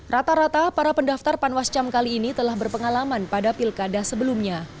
rata rata para pendaftar panwascam kali ini telah berpengalaman pada pilkada sebelumnya